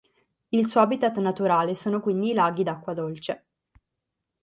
Il suo habitat naturale sono quindi i laghi d'acqua dolce.